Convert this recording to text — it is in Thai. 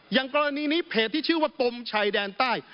อย่างกรณีนี้เพจที่ชื่อว่าปมชายแดนใต้